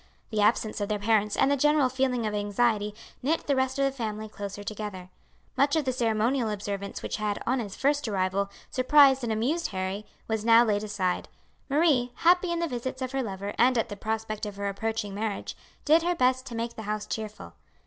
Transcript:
The absence of their parents and the general feeling of anxiety knit the rest of the family closer together. Much of the ceremonial observance which had, on his first arrival, surprised and amused Harry was now laid aside. Marie, happy in the visits of her lover and at the prospect of her approaching marriage, did her best to make the house cheerful.